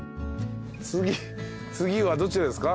次はどちらですか？